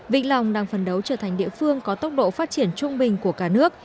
vĩnh long đang phần đấu trở thành địa phương có tốc độ phát triển trung bình của cả nước